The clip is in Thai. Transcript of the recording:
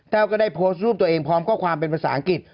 ก็ได้โพสต์รูปตัวเองพร้อมข้อความเป็นภาษาอังกฤษ